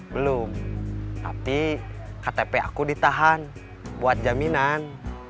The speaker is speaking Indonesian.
belum tapi ktp aku ditahan buat jaminan